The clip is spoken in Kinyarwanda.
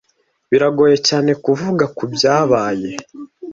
Biragoye cyane kuvuga kubyabaye.